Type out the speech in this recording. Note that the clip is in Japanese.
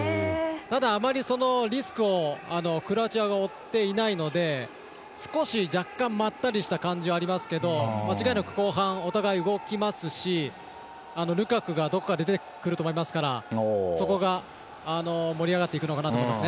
ただ、あまりリスクをクロアチアが負っていないので少し若干、まったりした感じがありますけど間違いなく後半お互い、動きますしルカクがどこかで出てくると思いますからそこが盛り上がっていくのかなと思います。